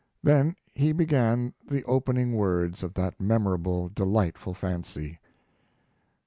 Then he began the opening words of that memorable, delightful fancy.